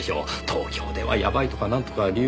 東京ではやばいとかなんとか理由をつけて。